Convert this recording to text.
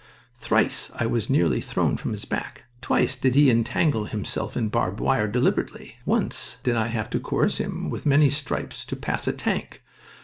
Thrice was I nearly thrown from his back. Twice did he entangle himself in barbed wire deliberately. Once did I have to coerce him with many stripes to pass a tank.